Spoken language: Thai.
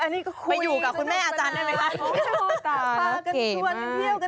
ไปอยู่กับคุณแม่อาจารย์ได้ไหมคะ